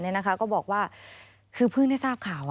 ก็บอกว่าคือเพิ่งได้ทราบข่าว